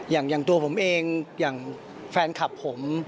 อย่างตัวผมเองอย่างแฟนคลับผม